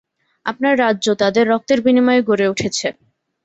আপনার রাজ্য তাদের রক্তের বিনিময়ে গড়ে উঠেছে।